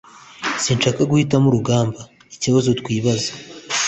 Sinshaka guhitamo urugamba ikibazo twibaza